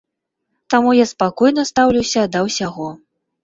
Таму я спакойна стаўлюся да ўсяго.